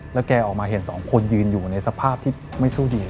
แล้วแกออกมาเห็นสองคนยืนอยู่ในสภาพที่ไม่สู้ดี